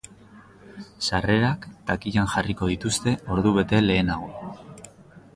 Sarrerak takillan jarriko dituzte ordubete lehenago.